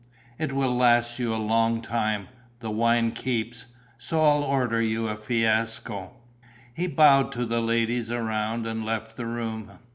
It will last you a long time: the wine keeps. So I'll order you a fiasco." He bowed to the ladies around and left the room.